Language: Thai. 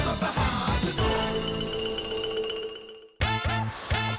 สวัสดีครับคุณผู้ชมครับ